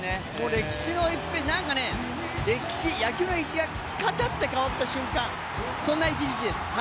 歴史の１ページ、野球の歴史がカチャッて変わった瞬間、そんな一日です。